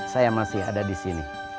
saya masih ada disini